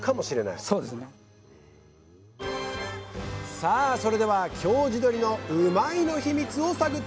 さあそれでは京地どりのうまいッ！のヒミツを探っていきます！